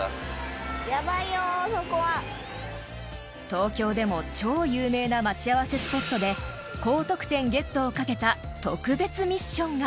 ［東京でも超有名な待ち合わせスポットで高得点ゲットを懸けた特別ミッションが］